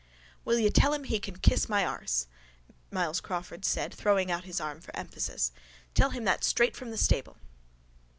K.M.A. —Will you tell him he can kiss my arse? Myles Crawford said throwing out his arm for emphasis. Tell him that straight from the stable.